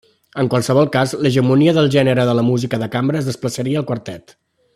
En qualssevol cas, l'hegemonia del gènere de la música de cambra es desplaçaria al quartet.